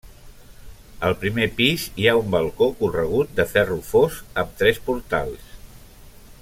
Al primer pis hi ha un balcó corregut de ferro fos amb tres portals.